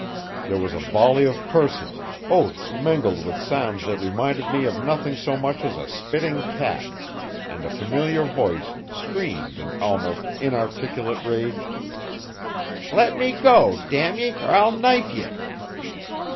There was a volley of curses, oaths mingled with sounds that reminded me of nothing so much as a spitting cat, and a familiar voice screamed in almost inarticulate rage: "Let me go, damn ye, or I'll knife ye!"